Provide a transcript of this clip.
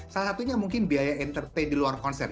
salah satunya mungkin biaya entertain di luar konser